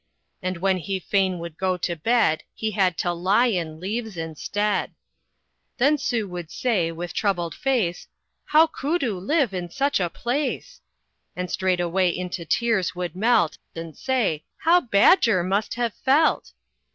And when he fain would go to bed, He had to lion leaves instead. Then Sue would say, with troubled face, "How koodoo live in such a place?" And straightway into tears would melt, And say, "How badger must have felt!"